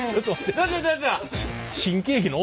どうぞどうぞ。